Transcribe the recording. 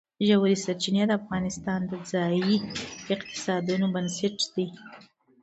ژورې سرچینې د افغانستان د ځایي اقتصادونو بنسټ دی.